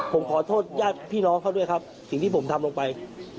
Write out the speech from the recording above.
ผมขอโทษญาติพี่น้องเขาด้วยครับสิ่งที่ผมทำลงไป